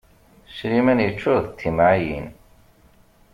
Sliman yeččur d timɛayin.